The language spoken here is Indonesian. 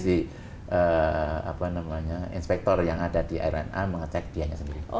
jadi si inspektor yang ada di airline a mengecek dia sendiri